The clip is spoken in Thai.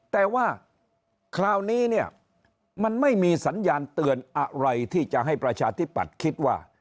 แต่ว่าคราวนี้เนี่ยมันไม่มีสัญญาณเตือนอะไรที่จะให้ประชาธิปัตย์คิดว่า